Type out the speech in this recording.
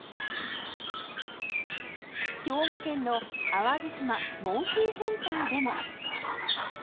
兵庫県の淡路島モンキーセンターでも。